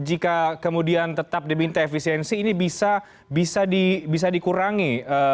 apakah pembinaan efisiensi ini bisa dikurangi